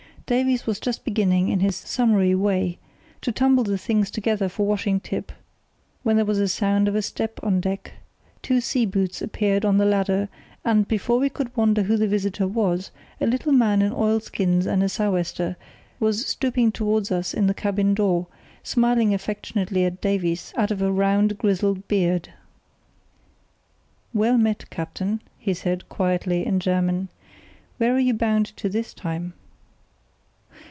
Davies was just beginning, in his summary way, to tumble the things together for washing up, when there was a sound of a step on deck, two sea boots appeared on the ladder, and, before we could wonder who the visitor was, a little man in oilskins and a sou' wester was stooping towards us in the cabin door, smiling affectionately at Davies out of a round grizzled beard. "Well met, captain," he said, quietly, in German. "Where are you bound to this time?"